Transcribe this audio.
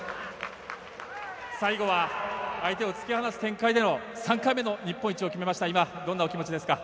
最後は相手を突き放す展開で３回目の日本一、今どんなお気持ちですか。